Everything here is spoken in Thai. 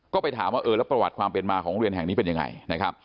ก็ไปถามว่าเออแล้วประวัติความเป็นมาของโรงเรียนแห่งนี้เป็นยังไงนะครับ